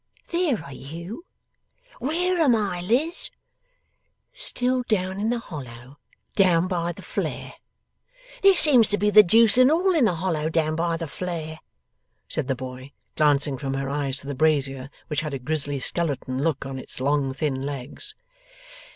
There are you ' 'Where am I, Liz?' 'Still in the hollow down by the flare.' 'There seems to be the deuce and all in the hollow down by the flare,' said the boy, glancing from her eyes to the brazier, which had a grisly skeleton look on its long thin legs.